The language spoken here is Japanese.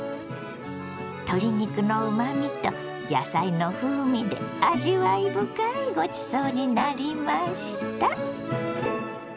鶏肉のうまみと野菜の風味で味わい深いごちそうになりました。